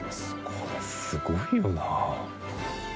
これすごいよな。